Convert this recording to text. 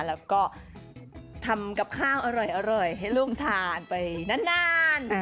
แล้วก็ทำกับข้าวอร่อยให้ลูกทานไปนาน